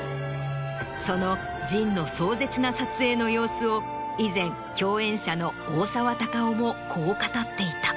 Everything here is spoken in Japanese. その『ＪＩＮ−仁−』の壮絶な撮影の様子を以前共演者の大沢たかおもこう語っていた。